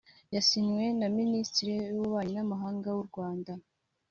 Yasinywe na Minisitiri w’Ububanyi n’Amahanga w’u Rwanda